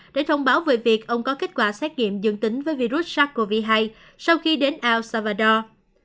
để thông báo về việc ông có kết quả xét nghiệm dương tính với virus sars cov hai sau khi đến ao salvador